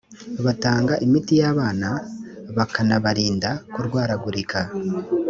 batanga imitiyabana bakanabarinda kurwaragurika .